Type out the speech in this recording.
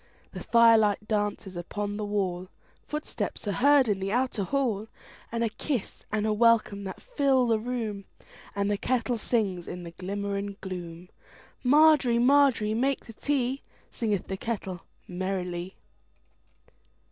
The firelight dances upon the wall, Footsteps are heard in the outer hall, And a kiss and a welcome that fill the room, And the kettle sings in the glimmer and gloom. Margery, Margery, make the tea, Singeth the kettle merrily.